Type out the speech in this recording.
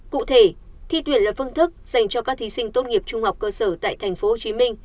cụ thể thi tuyển là phương thức dành cho các thí sinh tốt nghiệp trung học cơ sở tại tp hcm